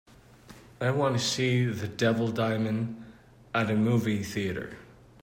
I want to see The Devil Diamond at a movie theatre.